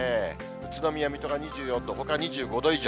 宇都宮、水戸が２４度、ほか２５度以上。